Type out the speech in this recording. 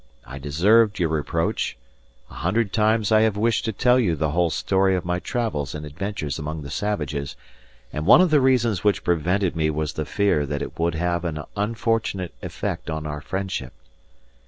I deserved your reproach: a hundred times I have wished to tell you the whole story of my travels and adventures among the savages, and one of the reasons which prevented me was the fear that it would have an unfortunate effect on our friendship.